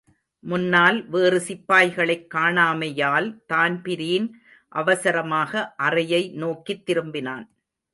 முன்னால் வேறு சிப்பாய்களைக் காணாமையால் தான்பிரீன் அவசரமாக அறையை நோக்கித் திரும்பினான்.